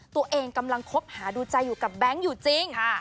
ตัวเองกำลังคบหาดูใจอยู่กับแบงค์อยู่จริง